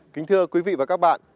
kính thưa quý vị và các bạn